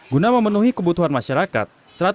guna memenuhi kebutuhan masyarakat